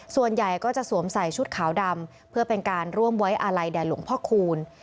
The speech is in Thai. ส่วนใหญ่ก็จะสวมใส่ชุดขาวดำเพื่อเป็นการร่วมไว้อาลัยแด่หลวงพ่อคูณ